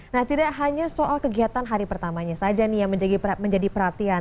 nah tidak hanya soal kegiatan hari pertamanya saja nih yang menjadi perhatian